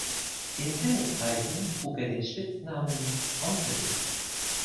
In Tenniskreisen trug er den Spitznamen „Onkel“.